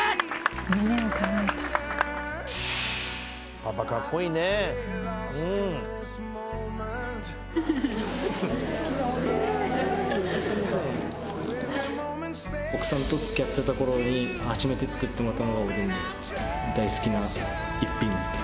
パパかっこいいねうん奥さんとつきあってた頃に初めて作ってもらったのがおでんで大好きな一品です